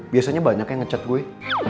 biasanya banyak yang ngecet gue